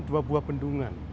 dua buah bendungan